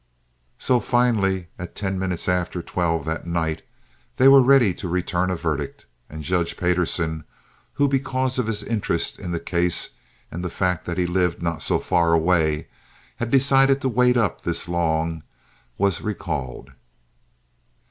So, finally, at ten minutes after twelve that night, they were ready to return a verdict; and Judge Payderson, who, because of his interest in the case and the fact that he lived not so far away, had decided to wait up this long, was recalled.